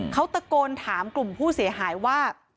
เขาตะโกนถามกลุ่มผู้เสียหายว่า